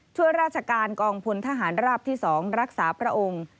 ช่วยราชการกองพลทหารราบที่๒รักษาพระองค์